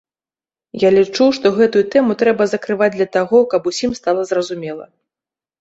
Я лічу, што гэтую тэму трэба закрываць для таго, каб усім стала зразумела.